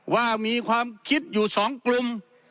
ว่ามีความคิดอยู่๒กลุ่ม